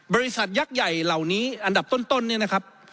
บริษัทยักษ์ใหญ่เหล่านี้อันดับต้นเนี่ยนะครับ